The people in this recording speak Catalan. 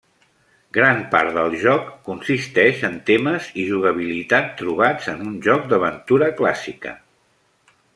Gran part del joc consisteix en temes i jugabilitat trobats en un joc d'aventura clàssica.